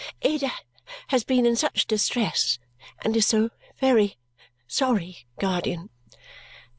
Ada has been in such distress, and is so very sorry, guardian."